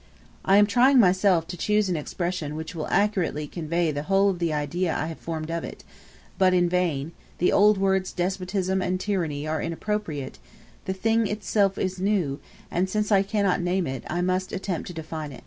I am trying myself to choose an expression which will accurately convey the whole of the idea I have formed of it, but in vain; the old words "despotism" and "tyranny" are inappropriate: the thing itself is new; and since I cannot name it, I must attempt to define it.